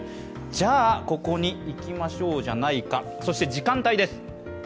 じゃあ、ここに行きましょうじゃないかそして時間帯です。